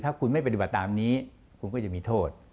ถ้าคุณไม่ปฏิบัติตามนี้คุณก็จะมีโทษ